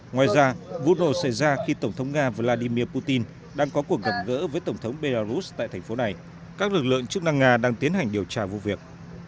ngoài ra vụ nổ xảy ra khi tổng thống nga vladimir putin đang có cuộc gặp gỡ với tổng thống belarus tại thành phố này các lực lượng chức năng nga đang tiến hành điều tra vụ việc